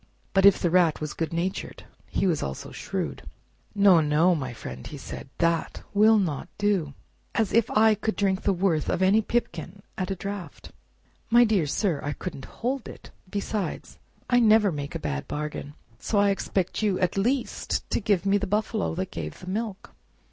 But if the Rat was good natured he was also shrewd. "No, no, my friend," said he, "that will not do! As if I could drink the worth of any pipkin at a draft! My dear sir, I couldn't hold it! Besides, I never make a bad bargain, so I expect you, at least to give me the buffalo that gave the milk."